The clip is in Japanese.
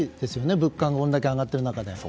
物価がこれだけ上がっている中で。